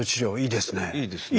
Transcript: いいですね。